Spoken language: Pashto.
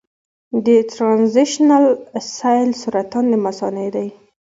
د ټرانزیشنل سیل سرطان د مثانې دی.